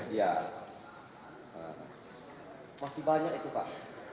ya masih banyak itu pak